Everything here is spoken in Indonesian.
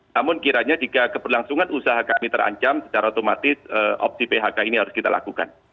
namun kiranya jika keberlangsungan usaha kami terancam secara otomatis opsi phk ini harus kita lakukan